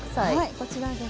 こちらですね